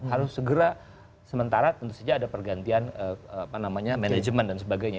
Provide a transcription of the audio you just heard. harus segera sementara tentu saja ada pergantian manajemen dan sebagainya